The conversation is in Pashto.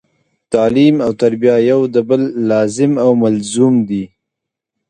تعلیم او تربیه یو د بل لازم او ملزوم دي